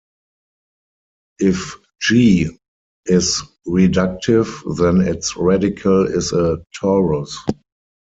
If "G" is reductive then its radical is a torus.